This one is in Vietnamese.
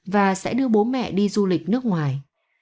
và sẽ đưa bố mẹ đi du lịch nước ngoài